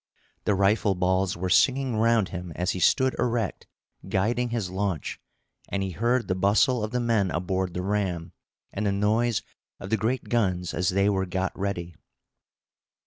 The rifle balls were singing round him as he stood erect, guiding his launch, and he heard the bustle of the men aboard the ram, and the noise of the great guns as they were got ready.